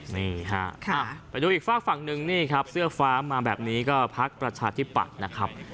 นี่ฮะไปดูอีกฝากฝั่งหนึ่งนี่ครับเสื้อฟ้ามาแบบนี้ก็พักประชาธิปัตย์นะครับ